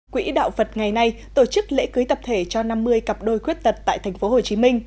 quỹ đạo phật ngày nay tổ chức lễ cưới tập thể cho năm mươi cặp đôi khuyết tật tại tp hcm